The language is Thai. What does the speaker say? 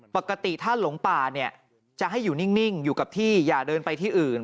ปกติถ้าหลงป่าเนี่ยจะให้อยู่นิ่งอยู่กับที่อย่าเดินไปที่อื่น